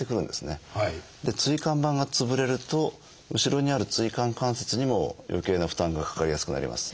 椎間板が潰れると後ろにある椎間関節にもよけいな負担がかかりやすくなります。